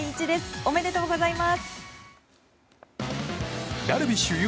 おめでとうございます。